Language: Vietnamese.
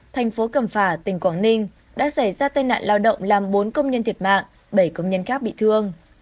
thành phố cẩm phả tỉnh quảng ninh đã xảy ra tai nạn lao động làm bốn công nhân thiệt mạng bảy công nhân khác bị thương